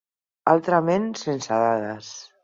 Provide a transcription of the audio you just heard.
Altrament, sense dades.